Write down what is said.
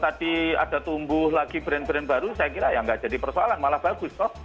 jadi kalau tadi ada tumbuh lagi brand brand baru saya kira ya gak jadi persoalan malah bagus kok